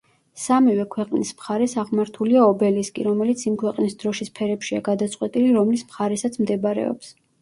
სამივე ქვეყნის მხარეს აღმართულია ობელისკი, რომელიც იმ ქვეყნის დროშის ფერებშია გადაწყვეტილი, რომლის მხარესაც მდებარეობს.